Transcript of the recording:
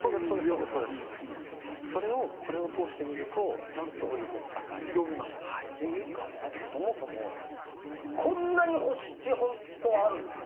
それがこれを通すとちゃんとこういうふうに。というかね、そもそもこんなに星って本当はあるんですか。